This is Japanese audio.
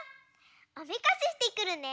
おめかししてくるね！